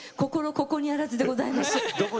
ここにあらずでございます。